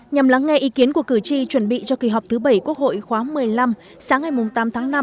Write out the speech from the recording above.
nhằm lắng nghe ý kiến của cử tri chuẩn bị cho kỳ họp thứ bảy quốc hội khóa một mươi năm sáng ngày tám tháng năm